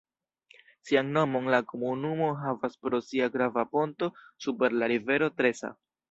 Sian nomon la komunumo havas pro sia grava ponto super la rivero Tresa.